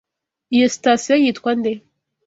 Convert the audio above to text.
Iyo sitasiyo yitwa nde?